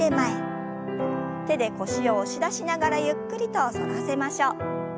手で腰を押し出しながらゆっくりと反らせましょう。